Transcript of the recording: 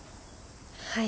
はい。